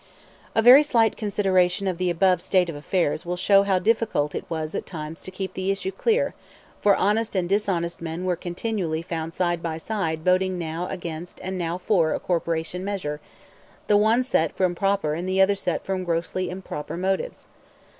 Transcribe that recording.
A very slight consideration of the above state of affairs will show how difficult it was at times to keep the issue clear, for honest and dishonest men were continually found side by side voting now against and now for a corporation measure, the one set from proper and the other set from grossly improper motives.